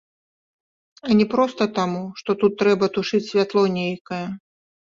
А не проста таму, што тут трэба тушыць святло нейкае!